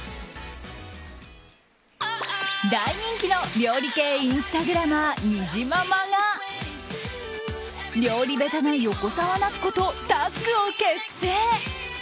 大人気の料理系インスタグラマーにじままが料理下手な横澤夏子とタッグを結成！